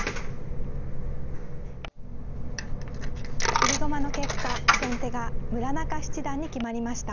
振り駒の結果先手が村中七段に決まりました。